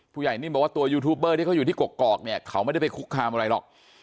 ผู้ใหญ่นิ่มบอกว่าตัวยูทูปเบอร์ที่เขาอยู่ที่กอกเนี่ยเขาไม่ได้ไปคุกคามอะไรหรอก